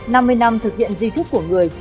năm mươi năm thực hiện di trúc của người